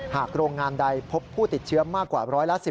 โรงงานใดพบผู้ติดเชื้อมากกว่า๑๑๐